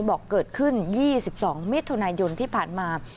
บอกเกิดขึ้น๒๒มิถุนายนที่ผ่านมา